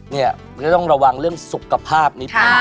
นี่ก็ต้องระวังเรื่องสุขภาพนิดนึง